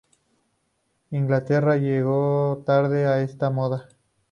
Inglaterra llegó tarde a esta moda.